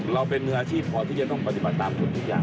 เราเป็นมืออาชีพพอที่จะต้องปฏิบัติตามกฎทุกอย่าง